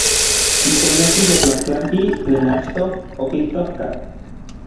Kijtosneki yotlajtlanki tlen achtoj okijtojka.